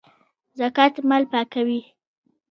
زکات مال پاکوي